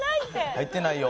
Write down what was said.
入ってないよ。